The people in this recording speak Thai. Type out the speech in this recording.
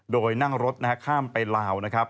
โดยนั่งรถข้ามไปลาวนะครับ